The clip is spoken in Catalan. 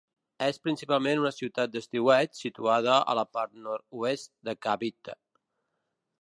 És principalment una ciutat d'estiueig situada a la part nord-oest de Cavite.